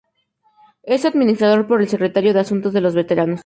Es administrado por el secretario de Asuntos de los Veteranos.